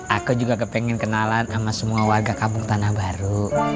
aku juga kepengen kenalan sama semua warga kampung tanah baru